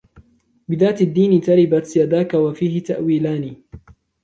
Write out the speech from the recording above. بِذَاتِ الدِّينِ تَرِبَتْ يَدَاك وَفِيهِ تَأْوِيلَانِ